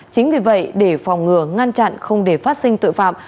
chính vì vậy để phòng ngừa ngăn chặn không để phát sinh tội phạm